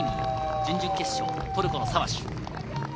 準々決勝、トルコのサワシュ。